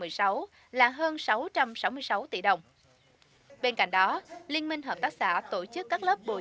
bên cạnh đó liên minh hợp tác xã tổ chức các lớp bổng tổ chức các lớp bổng tổ chức các lớp bổng tổ chức các lớp bổng